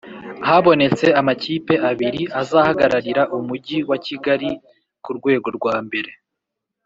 habonetse amakipe abiri azahagararira Umujyi wa Kigali ku rwego rwambere